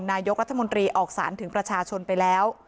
นายกรัฐมนตรีออกสารถึงประชาชนไปแล้ว